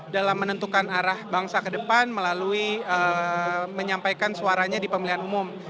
dalam menentukan arah bangsa ke depan melalui menyampaikan suaranya di pemilihan umum